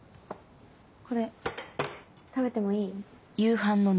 これ食べてもいい？